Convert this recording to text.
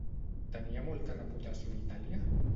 Tenia molta reputació a Itàlia?